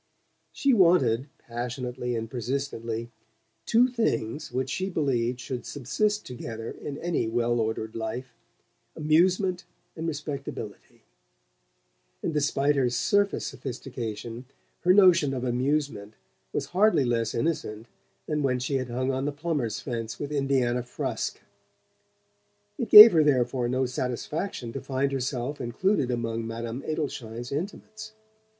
She wanted, passionately and persistently, two things which she believed should subsist together in any well ordered life: amusement and respectability; and despite her surface sophistication her notion of amusement was hardly less innocent than when she had hung on the plumber's fence with Indiana Frusk. It gave her, therefore, no satisfaction to find herself included among Madame Adelschein's intimates.